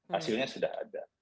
hasilnya sudah ada